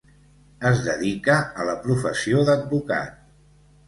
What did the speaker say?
Es dedica a la professió d'advocat.